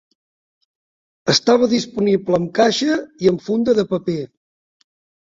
Estava disponible en caixa i en funda de paper.